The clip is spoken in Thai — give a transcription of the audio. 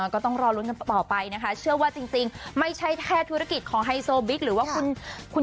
ก็ต้องดูกันอีกทีหนึ่ง